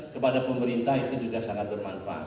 kepada pemerintah itu juga sangat bermanfaat